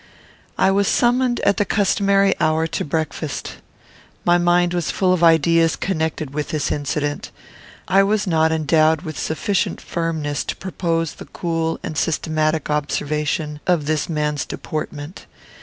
I was summoned at the customary hour to breakfast. My mind was full of ideas connected with this incident. I was not endowed with sufficient firmness to propose the cool and systematic observation of this man's deportment.